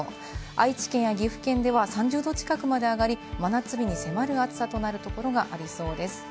愛知県や岐阜県では３０度近くまで上がり、真夏日に迫るところがありそうです。